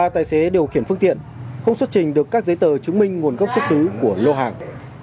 ba tài xế điều khiển phương tiện không xuất trình được các giấy tờ chứng minh nguồn gốc xuất xứ của lô hàng